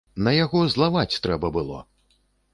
На яго злаваць трэба было!